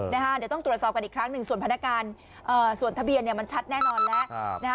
เดี๋ยวต้องตรวจสอบกันอีกครั้งหนึ่งส่วนพนักงานส่วนทะเบียนมันชัดแน่นอนแล้ว